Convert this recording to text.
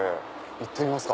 行ってみますか。